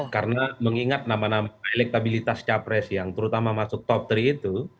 karena mengingat nama nama elektabilitas cawapres yang terutama masuk top tiga itu